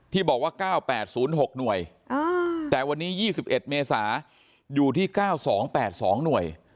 บอกว่า๙๘๐๖หน่วยแต่วันนี้๒๑เมษาอยู่ที่๙๒๘๒หน่วย